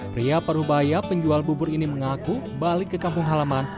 pria parubaya penjual bubur ini mengaku balik ke kampung halaman